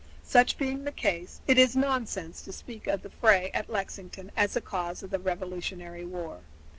Such being the case, it is nonsense to speak of the fray at Lexington as the cause of the Revolutionary War.